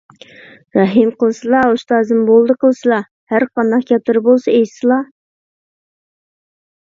رەھىم قىلسىلا، ئۇستازىم، بولدى قىلسىلا! ھەرقانداق گەپلىرى بولسا ئېيتسىلا!